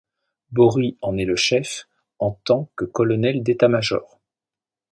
Bory en est le chef en tant que colonel d’état-major.